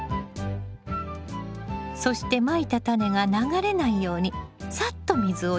そしてまいたタネが流れないようにさっと水をやりましょう。